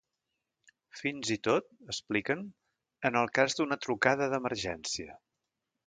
Fins i tot, expliquen, en el cas d’una trucada d’emergència.